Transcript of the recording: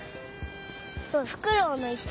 そうふくろうのいす！